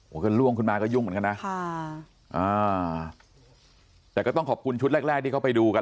ก็ล่วงขึ้นมาก็ยุ่งเหมือนกันนะค่ะอ่าแต่ก็ต้องขอบคุณชุดแรกแรกที่เขาไปดูกัน